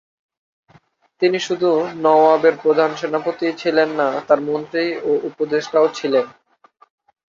তিনি শুধু নওয়াবের প্রধান সেনাপতিই ছিলেন না, তাঁর মন্ত্রী ও উপদেষ্টাও ছিলেন।